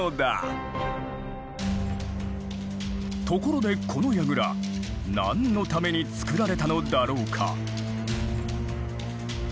ところでこの櫓何のために造られたのだろうか？